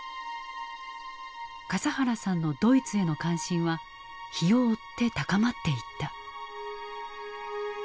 笠原さんのドイツへの関心は日を追って高まっていった。